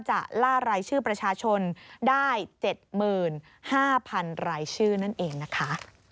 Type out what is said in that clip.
ล่ารายชื่อประชาชนได้๗๕๐๐๐รายชื่อนั่นเองนะคะ